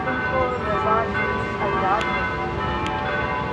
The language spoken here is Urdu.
گو تم کو رضا جوئیِ اغیار ہے لیکن